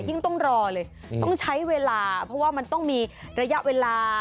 ต้องรอเลยต้องใช้เวลาเพราะว่ามันต้องมีระยะเวลา